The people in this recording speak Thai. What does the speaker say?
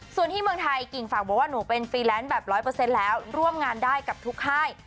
ส่วนที่เมืองไทยกิ่งฝากบอกว่าหนูเป็นฟรีแลนซ์แบบ๑๐๐แล้วร่วมงานได้กับทุกค่าย